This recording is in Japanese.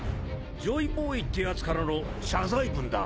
ジョイボーイってやつからの謝罪文だ